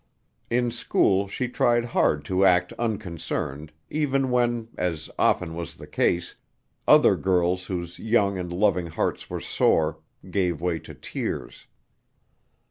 In school she tried hard to act unconcerned, even when, as often was the case, other girls whose young and loving hearts were sore, gave way to tears.